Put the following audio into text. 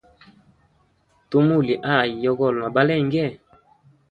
Tumulya ayi yogolwa na balenge?